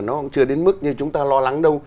nó cũng chưa đến mức như chúng ta lo lắng đâu